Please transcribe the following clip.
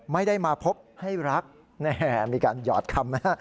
ไม่ได้มาพบให้รักมีการหยอดคำนะฮะ